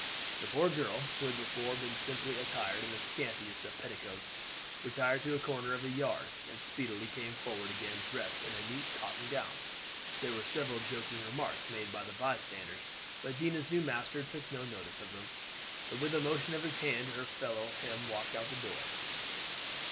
The poor girl, who had before been simply attired in the scantiest of petticoats, retired to a corner of the yard, and speedily came forward again dressed in a neat cotton gown. There were several joking remarks made by the bystanders, but Dinah's new master took no notice of them, but with a motion of his hand to her to follow him, walked out of the yard.